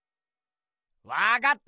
わかった！